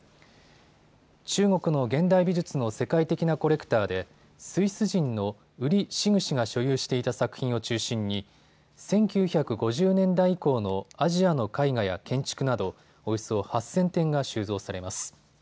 中国の現代美術の世界的なコレクターでスイス人のウリ・シグ氏が所有していた作品を中心に１９５０年代以降のアジアの絵画や建築などおよそ８０００点が収蔵されます。